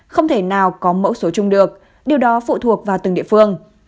không thể nào có mẫu số chung được điều đó phụ thuộc vào từng địa phương